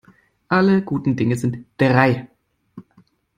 Alle guten Dinge sind drei.